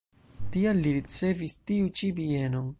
Tial li ricevis tiu ĉi bienon.